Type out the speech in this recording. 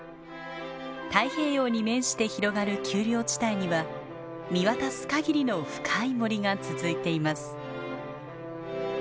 太平洋に面して広がる丘陵地帯には見渡す限りの深い森が続いています。